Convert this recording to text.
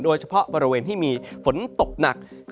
โดยเฉพาะบริเวณที่มีฝนตกหนัก